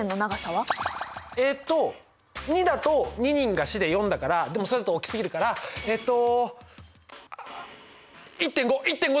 えっと２だと２２が４で４だからでもそれだと大きすぎるからえっとあっ１．５！１．５だ！